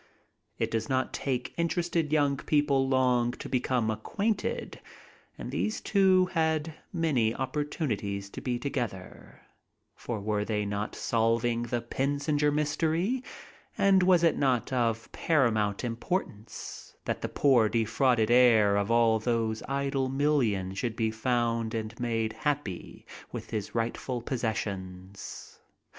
It does not take interested young people long to become acquainted and these two had many opportunities to be together, for were they not solving the Pensinger mystery, and was it not of paramount importance that the poor defrauded heir of all those idle millions should be found and made happy with his rightful possessions?